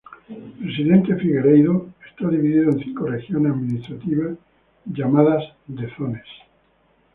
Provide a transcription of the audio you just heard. Presidente Figueiredo está dividido en cinco regiones administrativas llamadas de zones.